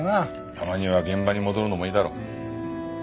たまには現場に戻るのもいいだろう？